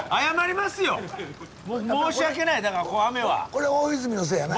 これは大泉のせいやな。